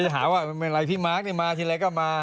หาว่าไม่เป็นไรพี่มาร์คมาทีไรก็มา